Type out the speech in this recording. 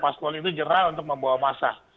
paskual itu jeral untuk membawa masa